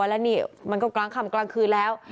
แล้วนี่มันก็กลางค่ำกลางคืนแล้ว